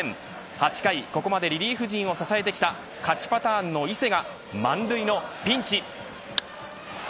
８回、ここまでリリーフ陣を支えてきた勝ちパターンの伊勢が満塁のピンチ。